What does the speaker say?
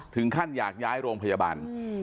ถึงขั้นอยากย้ายโรงพยาบาล